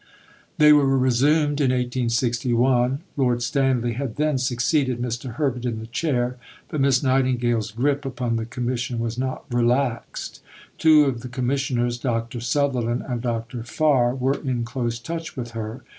They were resumed in 1861. Lord Stanley had then succeeded Mr. Herbert in the chair, but Miss Nightingale's grip upon the Commission was not relaxed. Two of the Commissioners, Dr. Sutherland and Dr. Farr, were in close touch with her.